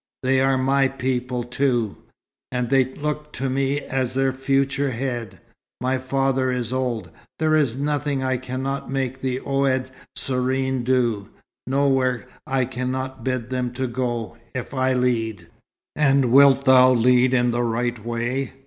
They are my people, too, and they look to me as their future head. My father is old. There is nothing I cannot make the Ouled Sirren do, nowhere I cannot bid them go, if I lead." "And wilt thou lead in the right way?